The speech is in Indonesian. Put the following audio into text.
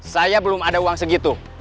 saya belum ada uang segitu